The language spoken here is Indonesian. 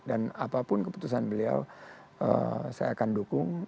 apapun keputusan beliau saya akan dukung